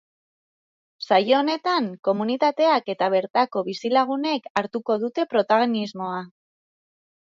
Saio honetan, komunitateak eta bertako bizilagunek hartuko dute protagonismoa.